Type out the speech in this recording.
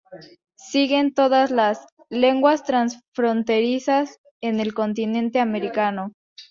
Siguen todas las "lenguas transfronterizas" en el continente americano.